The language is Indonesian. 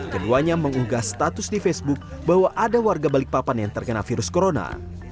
keduanya mengunggah status di facebook bahwa ada warga balikpapan yang terkena virus corona